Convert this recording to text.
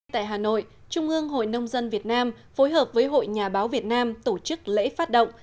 tại hà nội trung ương hội nông dân việt nam phối hợp với hội nhà báo việt nam tổ chức lễ phát động